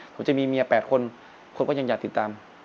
ผมจะมีเมีย๘คนคนก็ยังอยากติดตาม